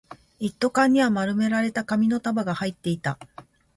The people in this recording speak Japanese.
一斗缶には丸められた紙の束が入っていた